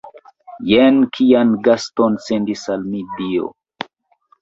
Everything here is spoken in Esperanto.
Jen kian gaston sendis al mi Dio!